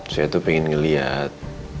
saya tuh pengen ngeliat